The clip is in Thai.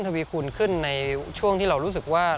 ทวีคูณขึ้นในช่วงที่เรารู้สึกว่า